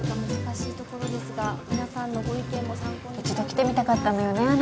難しいところですが皆さんのご意見も参考に一度来てみたかったのよね